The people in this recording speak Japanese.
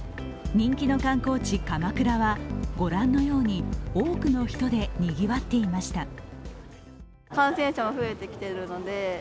人気の観光地・鎌倉は御覧のように多くの人でにぎわっていました。